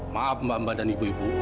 maaf mbak mbak dan ibu ibu